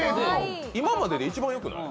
今までで一番良くない？